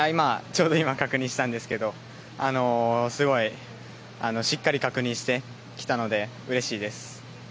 ちょうど今確認したんですがすごいしっかり確認してきたのでうれしいです。